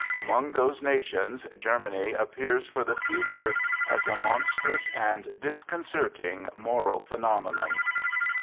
Among those nations Germany appears for the future as a monstrous and disconcerting moral phenomenon.